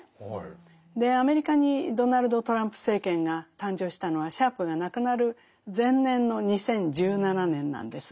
アメリカにドナルド・トランプ政権が誕生したのはシャープが亡くなる前年の２０１７年なんです。